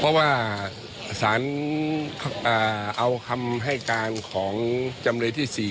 เพราะว่าสารเอาคำให้การของจำเลยที่๔